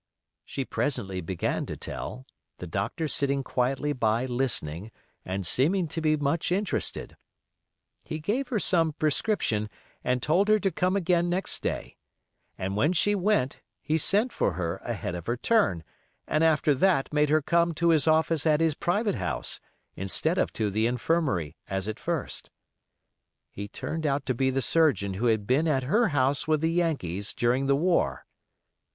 She presently began to tell, the doctor sitting quietly by listening and seeming to be much interested. He gave her some prescription, and told her to come again next day, and when she went he sent for her ahead of her turn, and after that made her come to his office at his private house, instead of to the infirmary, as at first. He turned out to be the surgeon who had been at her house with the Yankees during the war.